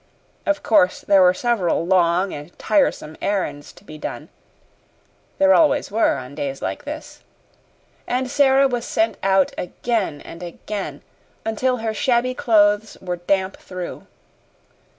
Of course there were several long and tiresome errands to be done there always were on days like this and Sara was sent out again and again, until her shabby clothes were damp through.